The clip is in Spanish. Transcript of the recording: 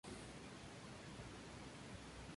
Nació en Riad.